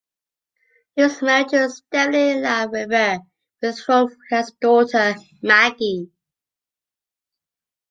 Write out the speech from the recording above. He is married to Stephanie LaRiviere, with whom he has a daughter, Maggie.